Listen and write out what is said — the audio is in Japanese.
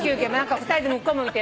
２人で向こう向いて。